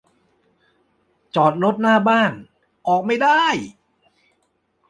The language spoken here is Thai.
รถจอดหน้าบ้าน ออกไม่ได้